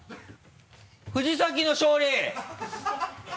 藤崎の勝利！